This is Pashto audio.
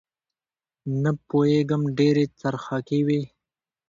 نه پوېېږم ډېرې څرخکې وې.